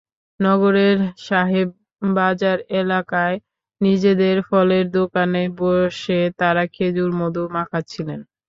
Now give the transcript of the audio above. নগরের সাহেববাজার এলাকায় নিজেদের ফলের দোকানে বসে তাঁরা খেজুরে মধু মাখাচ্ছিলেন।